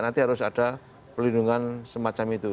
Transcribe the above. jadi harus ada pelindungan semacam itu